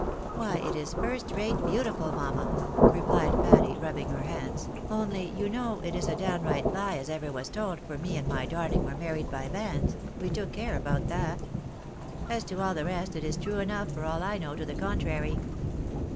" Why it is first rate beautiful, mamma," replied Patty, rubbing her hands ;" only, you know, it is a downright lie as ever was told, for me and my darling were married by banns, we took care about that. As to all the rest, it is true enough for all I know to ■ the contrary."